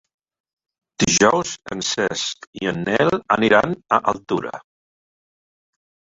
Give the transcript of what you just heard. Dijous en Cesc i en Nel aniran a Altura.